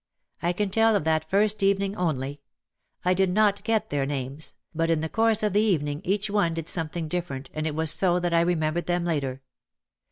I can tell of that first evening only. I did not get their names, but in the course of the evening each one did something different and it was so that I remembered them later.